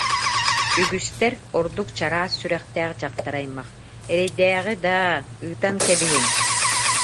Үгүстэр, ордук чараас сүрэхтээх дьахтар аймах: «Эрэйдээҕи даа, ыытан кэбиһиҥ»